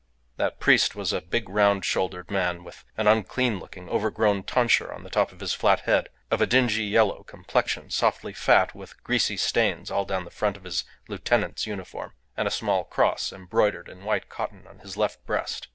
That priest was a big round shouldered man, with an unclean looking, overgrown tonsure on the top of his flat head, of a dingy, yellow complexion, softly fat, with greasy stains all down the front of his lieutenant's uniform, and a small cross embroidered in white cotton on his left breast.